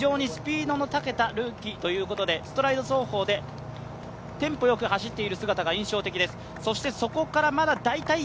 非常にスピードにたけたルーキーということで、ストライド走法でテンポよく走っている姿が印象的です。